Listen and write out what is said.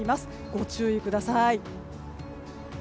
ご注意ください。